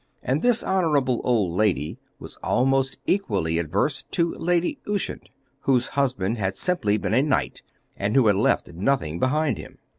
And this honourable old lady was almost equally adverse to Lady Ushant, whose husband had simply been a knight, and who had left nothing behind him.